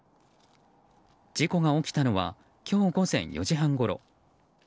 事故が起きたのは今日午前４時半ごろ。